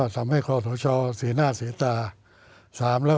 ๒ทำให้ขอโถชอเสน่าเสียตา